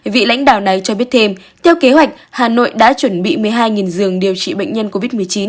vị lãnh đạo này cho biết thêm theo kế hoạch hà nội đã chuẩn bị một mươi hai giường điều trị bệnh nhân covid một mươi chín